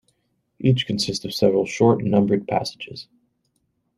Each consist of several short, numbered passages.